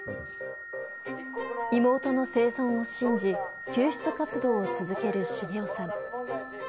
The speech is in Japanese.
妹の生存を信じ、救出活動を続ける繁雄さん。